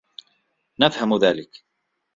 نفهم ذلك.